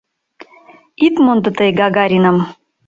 Ит мондо тый Гагариным